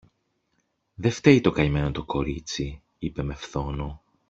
Δε φταίει το καημένο το κορίτσι, είπε με φθόνο.